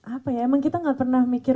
apa ya emang kita nggak pernah mikir